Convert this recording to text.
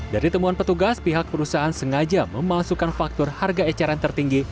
dari temuan petugas pihak perusahaan sengaja memasukkan faktor harga eceran tertinggi